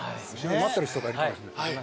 待ってる人がいるかもしれない。